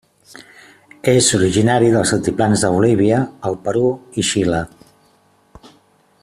És originari dels altiplans de Bolívia, el Perú i Xile.